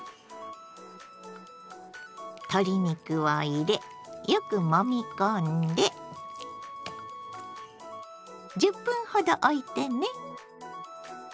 鶏肉を入れよくもみ込んで１０分ほどおいてね。